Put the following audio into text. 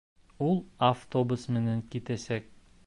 Ул автобус менән китәсәк